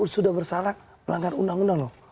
sudah bersalah melanggar undang undang loh